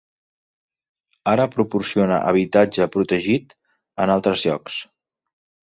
Ara proporciona habitatge protegit en altres llocs.